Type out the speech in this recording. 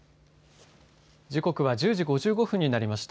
時刻は１０時５５分になりました。